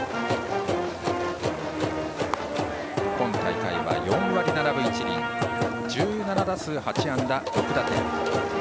今大会は４割７分１厘１７打数８安打６打点。